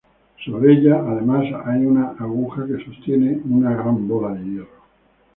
Sobre ella, además, hay una aguja que sostiene una gran bola de hierro.